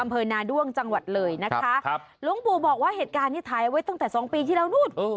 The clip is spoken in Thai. อำเภอนาด้วงจังหวัดเลยนะคะครับหลวงปู่บอกว่าเหตุการณ์นี้ถ่ายไว้ตั้งแต่สองปีที่แล้วนู่น